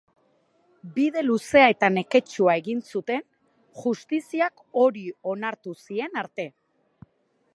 Bide luzea eta neketsua egin zuten justiziak hori onartu zien arte.